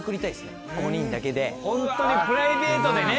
ホントにプライベートでね。